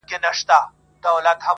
شمع یم جلوه یمه لمبه یمه سوځېږمه -